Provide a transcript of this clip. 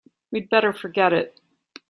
We'd better forget it.